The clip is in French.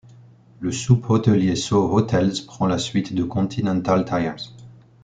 Le Soupe hôtelier Só Hotels prends la suite de Continental Tyres.